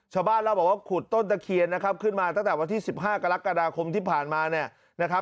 ชาวบ้านเราบอกว่าขุดต้นตะเคียนขึ้นมาตั้งแต่วันที่๑๕กรกฎาคมที่ผ่านมา